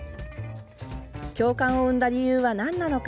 共感を生んだ理由は何なのか？